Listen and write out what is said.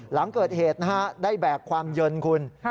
หลังเกิดเหตุนะฮะได้แบกความเย็นคุณ